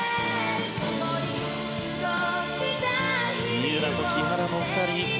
三浦と木原の２人。